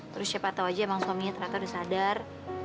terus siapa tahu aja emang suaminya ternyata sudah sadar